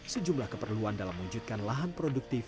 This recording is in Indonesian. sejumlah keperluan dalam mewujudkan lahan produktif